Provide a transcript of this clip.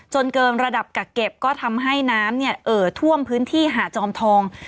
เกินระดับกักเก็บก็ทำให้น้ำเนี่ยเอ่อท่วมพื้นที่หาดจอมทอง